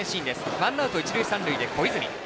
ワンアウト、一塁三塁で小泉。